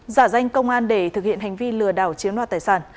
giả danh công an để thực hiện hành vi lừa đảo chiếm đoạt tài sản